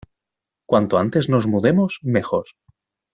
Cuanto antes nos mudemos, mejor.